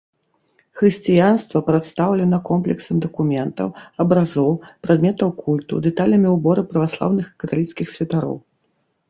Хрысціянства прадстаўлена комплексам дакументаў, абразоў, прадметаў культу, дэталямі ўборы праваслаўных і каталіцкіх святароў.